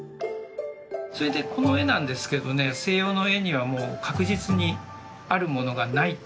それでこの絵なんですけどね西洋の絵にはもう確実にあるものがないってことが一つあるんですけど。